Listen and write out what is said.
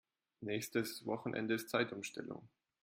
Nächstes Wochenende ist Zeitumstellung.